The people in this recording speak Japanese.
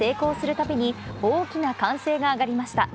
たびに、大きな歓声が上がりました。